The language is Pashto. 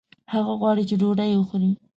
هغه غواړي چې ډوډۍ وخوړي